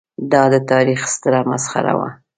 دا د تاریخ ستره مسخره وه.